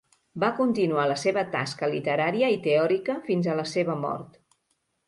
Va continuar la seva tasca literària i teòrica fins a la seva mort.